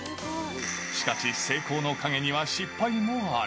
しかし、成功の陰には失敗もある。